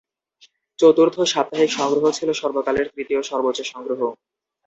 চতুর্থ সপ্তাহের সংগ্রহ ছিল সর্বকালের তৃতীয় সর্বোচ্চ সংগ্রহ।